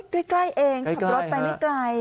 ใกล้เองขับรถไปไม่ไกล